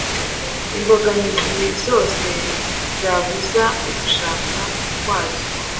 imbogamizi zose zabuza ugushaka kwazo".